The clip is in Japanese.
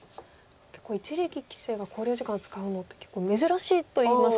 一力棋聖が考慮時間使うのって結構珍しいといいますか。